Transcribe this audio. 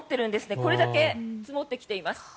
これだけ積もっています。